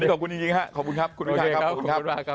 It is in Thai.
โอเคโอเค